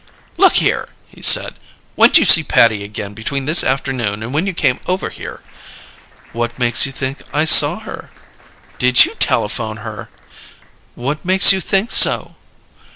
"Look here!" he said. "When'd you see Patty again between this afternoon and when you came over here?" "What makes you think I saw her?" "Did you telephone her?" "What makes you think so?"